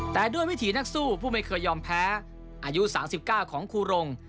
แต่ด้วยวิถีนักสู้ผู้ไม่เคยยอมแพ้อายุ๓๙ของครูรง